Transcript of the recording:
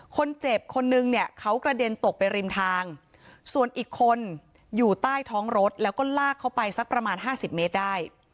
คนเจ็บคนนึงเนี่ยเขากระเด็นตกไปริมทางส่วนอีกคนอยู่ใต้ท้องรถแล้วก็ลากเขาไปสักประมาณห้าสิบเมตรได้